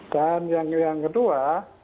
dan yang kedua